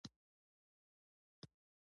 ملګری تا ته نېک مشورې درکوي.